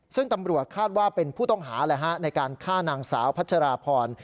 ซึ่งตำรวจคาดว่าเป็นผู้ต้องหาในการฆ่านางสาวพัชราพร